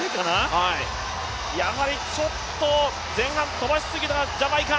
やはりちょっと前半飛ばしすぎだ、ジャマイカ。